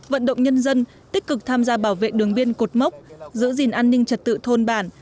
vận động nhân dân tích cực tham gia bảo vệ đường biên cột mốc giữ gìn an ninh trật tự thôn bản